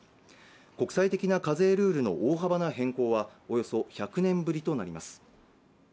国際的な課税ルールの大幅な変更はおよそ１００年ぶりとなります